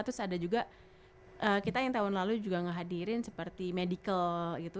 terus ada juga kita yang tahun lalu juga ngehadirin seperti medical gitu